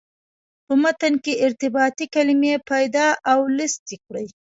په متن کې ارتباطي کلمې پیدا او لست یې کړئ.